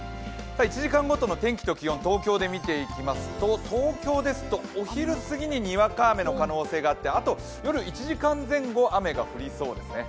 １時間ごとの天気と気温、東京で見ていきますとお昼過ぎににわか雨の可能性があって、あと夜１時間前後雨が降りそうですね。